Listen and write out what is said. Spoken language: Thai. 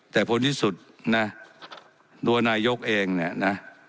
แต่ผลที่สุดนะตัวนายกเองเนี่ยนะ